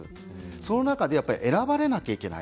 その中で選ばれなければいけない。